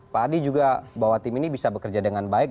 pak adi juga bahwa tim ini bisa bekerja dengan baik